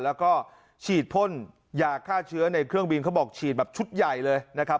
แล้วก็ฉีดพ่นยาฆ่าเชื้อในเครื่องบินเขาบอกฉีดแบบชุดใหญ่เลยนะครับ